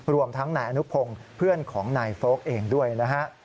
รวมทั้งนายอนุพงศ์เพื่อนของนายโฟลกเองด้วยนะฮะ